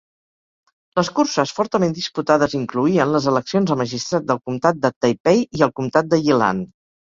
Les curses fortament disputades incloïen les eleccions a magistrat del Comtat de Taipei i el Comtat de Yilan.